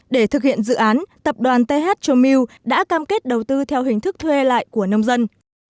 để thực hiện dự án tập đoàn th tro meal đã cam kết đầu tư theo hình thức thuê lại của nông dân